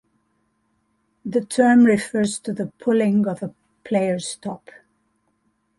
The term refers to the pulling of a player's top.